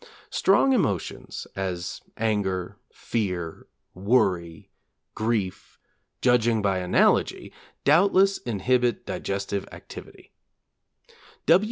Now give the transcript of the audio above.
Strong emotions, as anger, fear, worry, grief, judging by analogy, doubtless inhibit digestive activity.